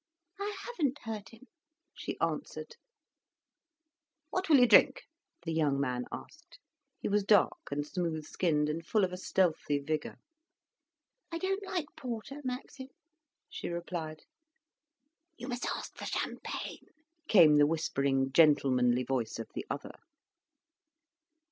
"I haven't hurt him," she answered. "What will you drink?" the young man asked. He was dark, and smooth skinned, and full of a stealthy vigour. "I don't like porter, Maxim," she replied. "You must ask for champagne," came the whispering, gentlemanly voice of the other.